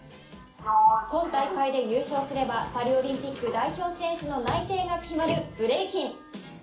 今大会で優勝すればパリオリンピックの内定が決まるブレイキン。